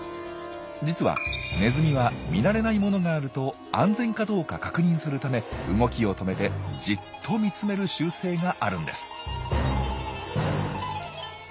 実はネズミは見慣れないものがあると安全かどうか確認するため動きを止めてじっと見つめる習性があるんです。